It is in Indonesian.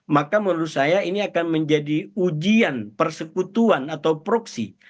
maka menurut saya ini akan menjadi ujian persekutuan atau proksi